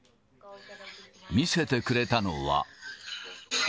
見せてくれたのは。